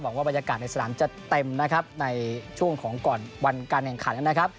ว่าบรรยากาศในสนามจะเต็มนะครับในช่วงของก่อนวันการแข่งขันนะครับ